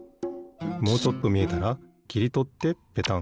もうちょっとみえたらきりとってペタン。